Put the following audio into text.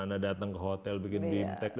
anda datang ke hotel bikin bimtek